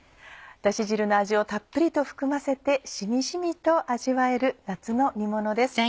だし汁の味をたっぷりと含ませてしみじみと味わえる夏の煮ものです。